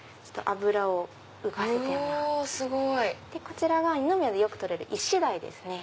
こちらは二宮でよく取れるイシダイですね。